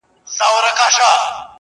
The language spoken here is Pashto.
او د پېښي په اړه بېلابېل نظرونه ورکوي